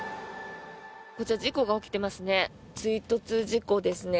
こちら事故が起きていますね。